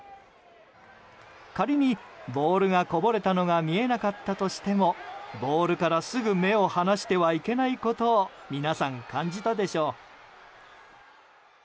仮にボールがこぼれたのが見えなかったとしてもボールからすぐ目を離してはいけないこと皆さん、感じたでしょう。